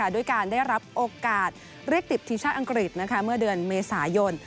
ด้วยการได้รับโอกาสเรียกติดทีมชาติอังกฤษเมื่อเดือนเมษายน